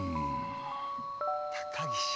高岸！